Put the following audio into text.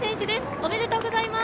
おめでとうございます。